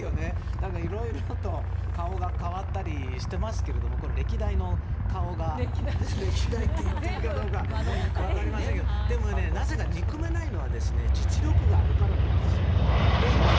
だから、色々と顔が変わったりしていますけど歴代の顔が歴代と言っていいかわかりませんがでも、なぜか憎めないのは実力があるからなんです。